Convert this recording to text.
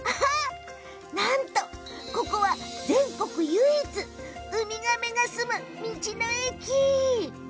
ここは全国唯一ウミガメが住む道の駅。